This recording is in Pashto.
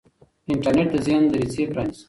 انټرنیټ د ذهن دریڅې پرانیزي.